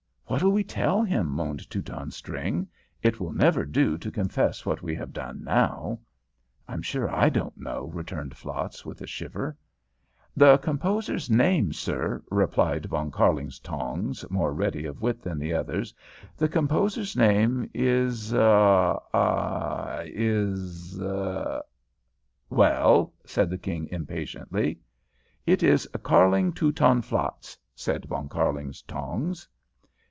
"What'll we tell him?" moaned Teutonstring. "It will never do to confess what we have done now." "I'm sure I don't know," returned Flatz, with a shiver. "The composer's name, sir," replied Von Kärlingtongs, more ready of wit than the others "the composer's name is ah is " "Well?" said the King, impatiently. "It is Kärlingteutonflatz," said Von Kärlingtongs.